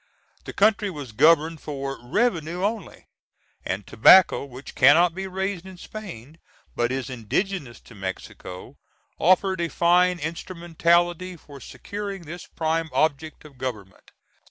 The country was governed for "revenue only;" and tobacco, which cannot be raised in Spain, but is indigenous to Mexico, offered a fine instrumentality for securing this prime object of government.